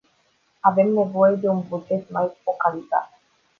Avem nevoie de un buget mai focalizat.